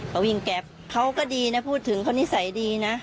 เขาวิ่งแก๊ปเขาก็ดีนะพูดถึงเขานิสัยดีนะ